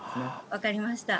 分かりました。